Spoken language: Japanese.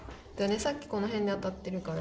さっきこの辺で当たってるから。